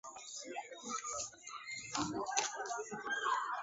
Hortaz, aurki iragarriko dute bi alardeak ordu berean egingo dituzten ala ez.